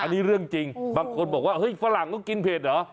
อันนี้เรื่องจริงบางคนบอกว่าเฮ้ยฝรั่งก็กินเผ็ดเหรอ